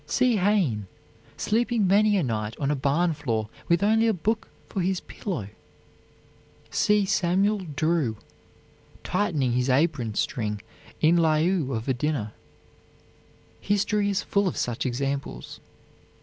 See Heyne, sleeping many a night on a barn floor with only a book for his pillow. See Samuel Drew, tightening his apron string "in lieu of a dinner." History is full of such examples.